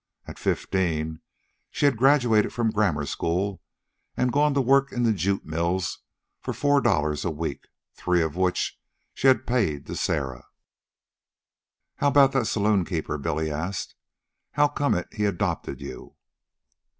At fifteen she had graduated from grammar school and gone to work in the jute mills for four dollars a week, three of which she had paid to Sarah. "How about that saloonkeeper?" Billy asked. "How come it he adopted you?"